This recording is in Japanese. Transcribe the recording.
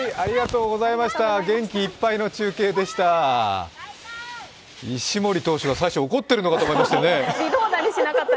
元気いっぱいの中継でした。